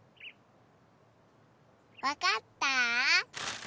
わかった？